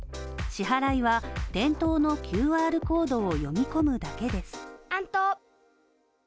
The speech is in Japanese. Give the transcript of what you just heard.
支払いは店頭のＱＲコードを読み込むだけです。